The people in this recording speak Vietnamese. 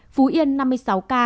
phú yên năm mươi sáu ca